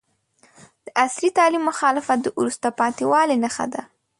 د عصري تعلیم مخالفت د وروسته پاتې والي نښه ده.